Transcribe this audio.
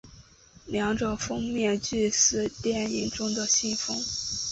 两者封面俱似电影中的信封。